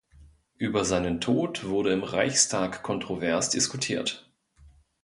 Über seinen Tod wurde im Reichstag kontrovers diskutiert.